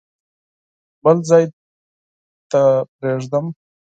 بل ځای ته پرېږدم.